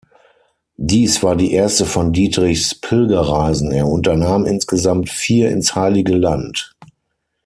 Dies war die erste von Dietrichs Pilgerreisen, er unternahm insgesamt vier ins Heilige Land.